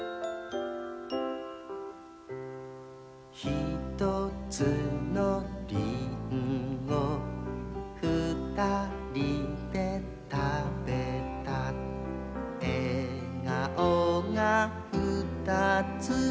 「ひとつのリンゴ」「ふたりでたべた」「えがおがふたつ」